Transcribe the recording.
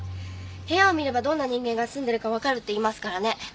部屋を見ればどんな人間が住んでるかわかるって言いますからね。